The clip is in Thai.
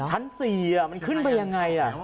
ชั้น๔อ่ะมันขึ้นไปยังไงอ่ะ